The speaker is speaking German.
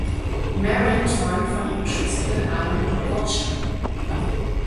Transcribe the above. Mary träumt von ihrem Schutzengel einem „Watcher“.